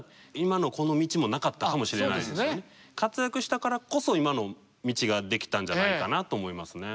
あそこで活躍したからこそ今の道が出来たんじゃないかなと思いますね。